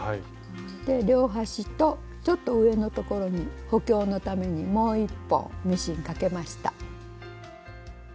で両端とちょっと上のところに補強のためにもう一本ミシンかけました。